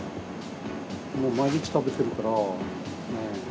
毎日食べてるから。